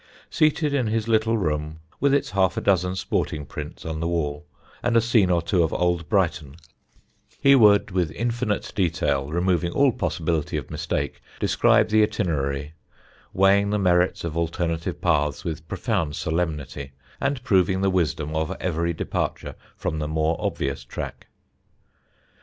Seated in his little room, with its half a dozen sporting prints on the wall and a scene or two of old Brighton, he would, with infinite detail, removing all possibility of mistake, describe the itinerary, weighing the merits of alternative paths with profound solemnity, and proving the wisdom of every departure from the more obvious track.